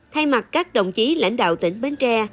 thay mặt các đồng chí lãnh đạo tỉnh bến tre